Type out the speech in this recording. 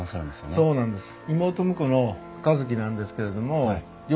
そうなんです。